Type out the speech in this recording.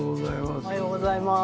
おはようございます。